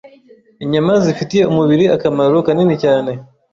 inyama zifitiye umubiri akamaro kanini cyane